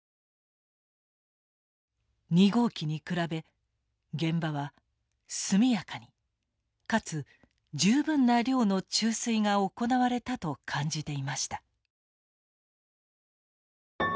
２号機に比べ現場は速やかにかつ十分な量の注水が行われたと感じていました。